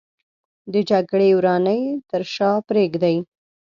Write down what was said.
د جګړې ورانۍ تر شا پرېږدي